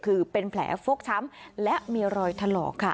คือเป็นแผลฟกช้ำและมีรอยถลอกค่ะ